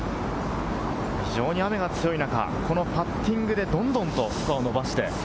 非常に雨が強い中、このパッティングで、どんどんスコアを伸ばして。